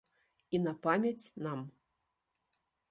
І на памяць нам.